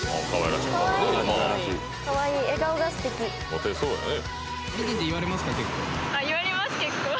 モテそうやね